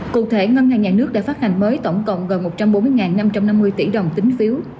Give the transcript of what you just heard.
thưa quý vị trong tuần qua ngân hàng nhà nước đã phát hành mới tổng cộng gần một trăm bốn mươi năm trăm năm mươi tỷ tín phiếu